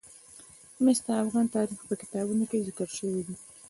مس د افغان تاریخ په کتابونو کې ذکر شوی دي.